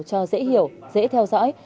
cho dễ hiểu dễ theo dõi